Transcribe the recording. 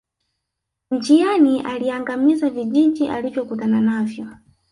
Njiani aliangamiza vijiji alivyokutana navyo